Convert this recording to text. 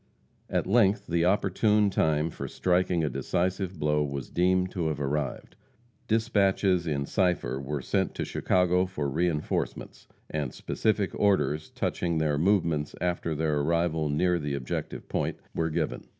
At length the opportune time for striking a decisive blow was deemed to have arrived. Dispatches in cipher were sent to Chicago for reinforcements, and specific orders touching their movements after their arrival near the objective point, were given.